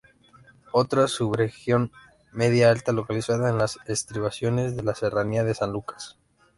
Otra subregión media alta localizada en las estribaciones de la serranía de San Lucas.